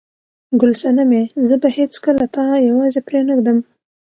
ګل صنمې، زه به هیڅکله تا یوازې پرېنږدم.